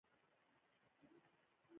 باور د زړه له ایمان زېږېږي.